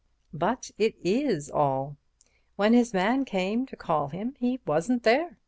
"But it is all. When his man came to call him he wasn't there.